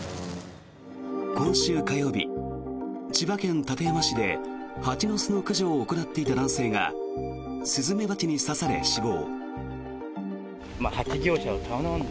今週火曜日、千葉県館山市で蜂の巣の駆除を行っていた男性がスズメバチに刺され、死亡。